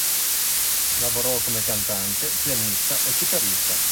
Lavorò come cantante, pianista e chitarrista.